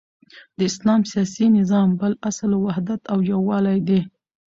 د اسلام سیاسی نظام بل اصل وحدت او یوالی دی،